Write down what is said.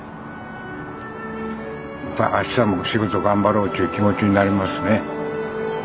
またあしたも仕事頑張ろうという気持ちになりますね。